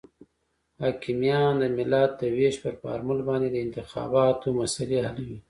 حاکمیان د ملت د وېش پر فارمول باندې د انتخاباتو مسلې حلوي.